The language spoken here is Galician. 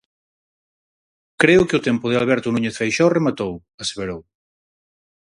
"Creo que o tempo de Alberto Núñez Feixóo rematou", aseverou.